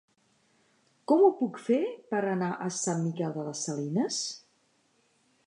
Com ho puc fer per anar a Sant Miquel de les Salines?